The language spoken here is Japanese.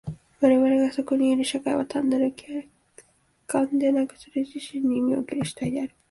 我々がそこにいる社会は単なる客観でなく、それ自身の意味における主体である。